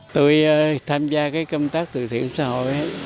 tôi tham gia công tác từ thiện xã hội